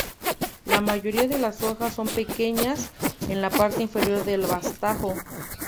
La mayoría de las hojas son pequeñas en la parte inferior del vástago.